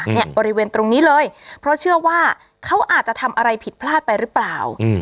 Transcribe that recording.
บริเวณตรงนี้เลยเพราะเชื่อว่าเขาอาจจะทำอะไรผิดพลาดไปหรือเปล่า